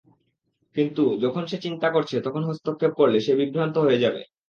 কিন্তু, যখন সে চিন্তা করছে তখন হস্তক্ষেপ করলে, সে বিভ্রান্ত হয়ে যাবে।